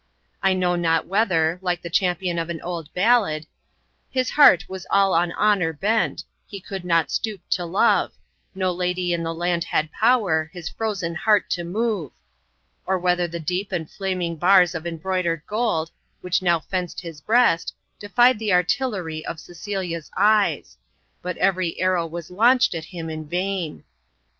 I know not whether, like the champion of an old ballad, His heart was all on honour bent, He could not stoop to love; No lady in the land had power His frozen heart to move; or whether the deep and flaming bars of embroidered gold, which now fenced his breast, defied the artillery of Cecilia's eyes; but every arrow was launched at him in vain.